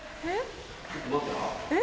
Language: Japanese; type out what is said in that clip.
えっ？